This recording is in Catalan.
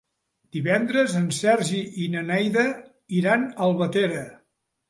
Divendres en Sergi i na Neida iran a Albatera.